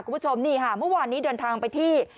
คุณผู้ชมนี่ค่ะเมื่อวานนี้เดินทางไปที่